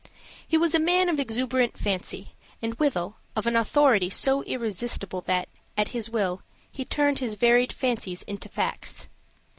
He was a man of exuberant fancy, and, withal, of an authority so irresistible that, at his will, he turned his varied fancies into facts.